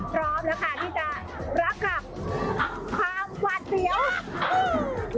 พร้อมแล้วค่ะที่จะรับกับความหวาดเสียวเออ